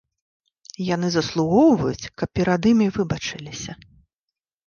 Яны заслугоўваюць, каб перад імі выбачыліся.